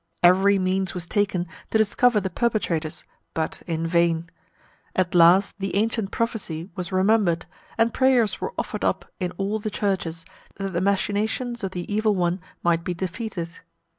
Every means was taken to discover the perpetrators, but in vain. At last the ancient prophecy was remembered, and prayers were offered up in all the churches, that the machinations of the Evil One might be defeated.